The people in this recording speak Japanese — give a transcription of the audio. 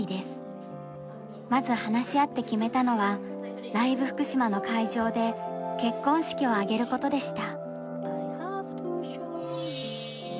まず話し合って決めたのは「ＬＩＶＥ福島」の会場で結婚式を挙げることでした。